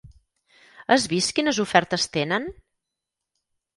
Has vist quines ofertes tenen?